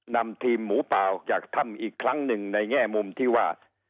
นำทีมหมูป่าออกจากถ้ำอีกครั้งหนึ่งในแง่มุมที่ว่า